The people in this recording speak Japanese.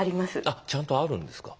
あっちゃんとあるんですか。